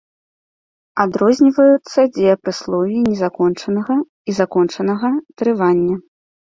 Адрозніваюцца дзеепрыслоўі незакончанага і закончанага трывання.